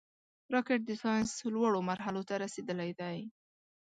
راکټ د ساینس لوړو مرحلو ته رسېدلی دی